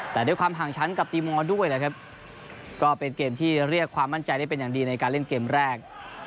แต่ด้วยความห่างชั้นกับตีมอลด้วยแหละครับก็เป็นเกมที่เรียกความมั่นใจได้เป็นอย่างดีในการเล่นเกมแรก